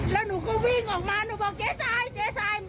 แล้วหนูก็วิ่งออกมาหนูบอกเจ๊สาย